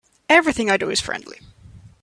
Everything I do is friendly.